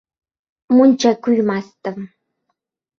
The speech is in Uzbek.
Muncha kuymasdim…